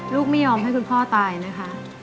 ลูกไม่ยอมให้คุณพ่อตายนะคะ